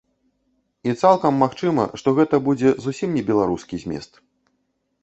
І цалкам магчыма, што гэта будзе зусім не беларускі змест.